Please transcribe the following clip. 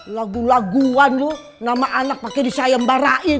lagu laguan lo nama anak pake disayembarain